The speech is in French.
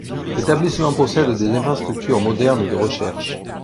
L’établissement possède des infrastructures modernes de recherche.